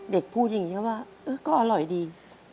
พูดอย่างนี้ว่าก็อร่อยดี